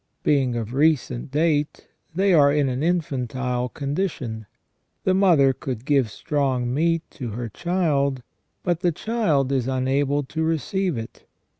Being of recent date, they are in an infantile condition. The mother could give strong meat to her child, but the child is unable to receive it.